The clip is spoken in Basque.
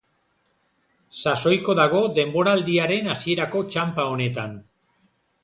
Sasoiko dago denboraldiaren hasierako txanpa honetan.